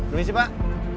demi sih pak